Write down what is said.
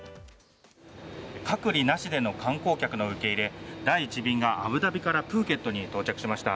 隔離なしでの観光客の受け入れ第１便がアブダビからプーケットに到着しました。